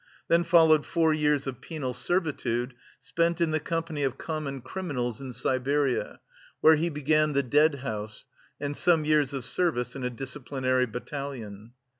Then followed four years of penal servitude, spent in the company of common criminals in Siberia, where he began the "Dead House," and some years of service in a disciplinary battalion.